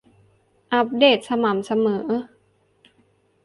อัปเดตสม่ำเสมอ